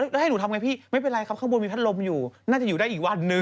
แล้วให้หนูทำไงพี่ไม่เป็นไรครับข้างบนมีพัดลมอยู่น่าจะอยู่ได้อีกวันนึง